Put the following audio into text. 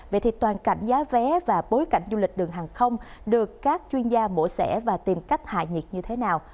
vậy thì toàn cảnh giá vé và bối cảnh du lịch đường hàng không được các chuyên gia mổ xẻ và tìm cách hạ nhiệt như thế nào